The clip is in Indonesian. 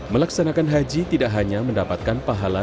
melaksanakan haji tidak hanya mendapatkan pahala